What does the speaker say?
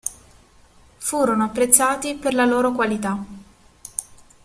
Furono apprezzati per la loro qualità.